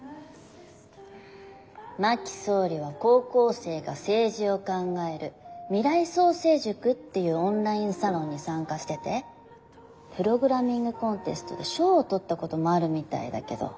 真木総理は高校生が政治を考える未来創成塾っていうオンラインサロンに参加しててプログラミング・コンテストで賞を取ったこともあるみたいだけど。